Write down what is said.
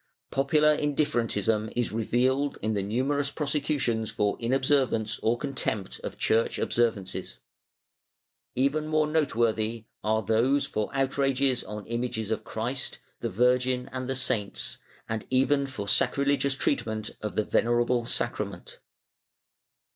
Popular indifferentism is revealed in the numerous prosecutions for inobservance or con tempt of church observances. Even more noteworthy are those for outrages on images of Christ, the Virgin and the saints, and even for sacrilegious treatment of the Venerable Sacrament.